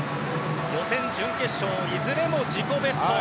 予選準決勝いずれも自己ベスト。